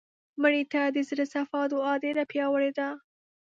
مړه ته د زړه صفا دعا ډېره پیاوړې ده